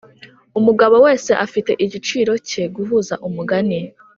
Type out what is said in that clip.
umugabo wese afite igiciro cye guhuza umugani